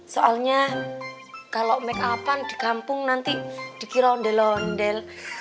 soalnya kalau makeup an di kampung nanti dikira ondel ondel